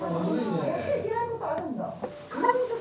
やっちゃいけないことあるんだ。